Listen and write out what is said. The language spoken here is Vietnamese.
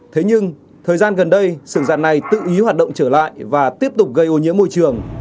thế nhưng thời gian gần đây sưởng dạn này tự ý hoạt động trở lại và tiếp tục gây ô nhiễm môi trường